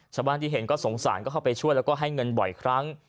เฉ้าก็สงสารก็เข้ามาช่วยแล้วแต่ก็ให้แค่เงินบ่อยครั้ง